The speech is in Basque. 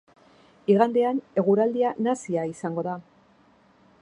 Igandean, eguraldia nahasia izango da.